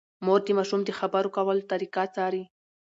مور د ماشوم د خبرو کولو طریقه څاري۔